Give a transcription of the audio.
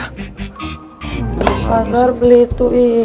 ke pasar beli itu i